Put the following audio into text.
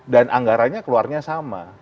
dan anggarannya keluarnya sama